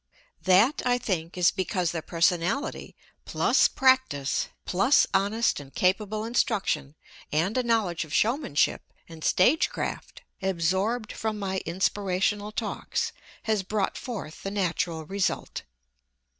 That, I think, is because their personality plus practice plus honest and capable instruction and a knowledge of showmanship and stage craft absorbed from my "inspirational talks" has brought forth the natural result.